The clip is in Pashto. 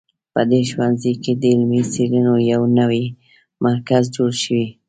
په دې ښوونځي کې د علمي څېړنو یو نوی مرکز جوړ شوی